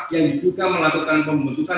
yang juga melakukan pembentukan